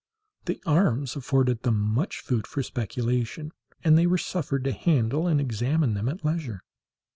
The arms afforded them much food for speculation, and they were suffered to handle and examine them at leisure.